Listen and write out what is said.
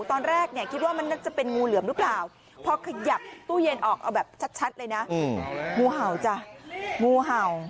ตอนแรกเนี่ยคิดว่ามันน่าจะเป็นงูเหลือมหรือเปล่าพอขยับตู้เย็นออกเอาแบบชัดเลยนะงูเห่าจ้ะงูเห่า